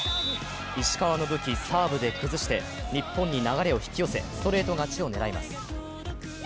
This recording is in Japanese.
石川の武器、サーブで崩して日本に流れを引き寄せ、ストレート勝ちを狙います。